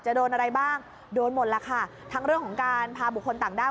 โดนอะไรบ้างโดนหมดแล้วค่ะทั้งเรื่องของการพาบุคคลต่างด้าว